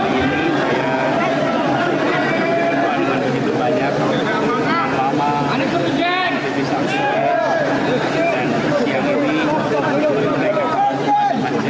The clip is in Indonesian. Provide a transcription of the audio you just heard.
siapa kita aman satu hati